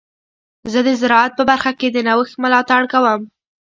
زه د زراعت په برخه کې د نوښت ملاتړ کوم.